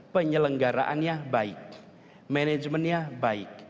penyelenggaraannya baik manajemennya baik